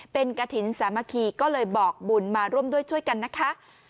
เป็นกระถิ่นสามัคคีก็เลยบอกบุญมาร่วมด้วยช่วยกันนะคะ